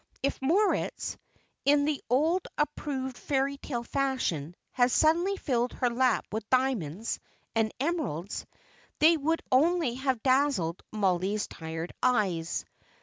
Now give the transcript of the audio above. If Moritz, in the old approved fairy tale fashion, had suddenly filled her lap with diamonds and emeralds, they would only have dazzled Mollie's tired eyes.